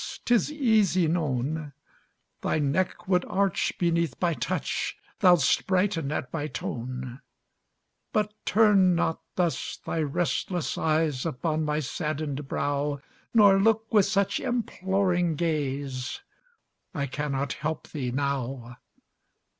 'tis easy known Thy neck would arch beneath my touch, Thou'dst brighten at my tone; But turn not thus thy restless eyes Upon my saddened brow, Nor look with such imploring gaze I cannot help thee now.